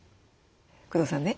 工藤さんね